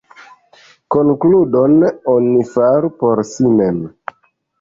Konkludon oni faru por si mem.